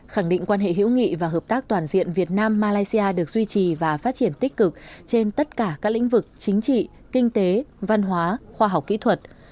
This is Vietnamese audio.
khẳng định quan hệ hữu nghị và hợp tác toàn diện việt nam malaysia được duy trì và phát triển tích cực trên tất cả các lĩnh vực chính trị kinh tế văn hóa khoa học kỹ thuật